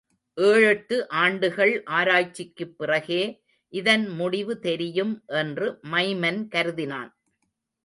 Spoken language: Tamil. ஏழெட்டு ஆண்டுகள் ஆராய்ச்சிக்குப் பிறகே இதன் முடிவு தெரியும் என்று மைமன் கருதினான்.